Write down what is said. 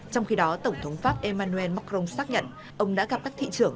trong khi đó tổng thống pháp emmanuel macron xác nhận ông đã gặp các thị trưởng